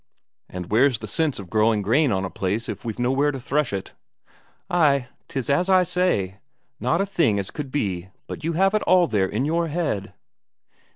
"And where's the sense of growing corn on the place if we've nowhere to thresh it?" "Ay, 'tis as I say, not a thing as could be but you have it all there in your head."